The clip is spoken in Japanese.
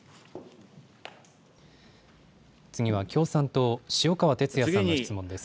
次は、共産党、塩川鉄也さんの質問です。